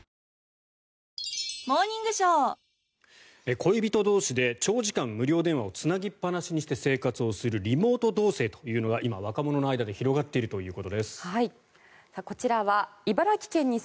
恋人同士で長時間無料電話をつなぎっぱなしにして生活をするリモート同棲というのが今、若者の間で広がっているということです。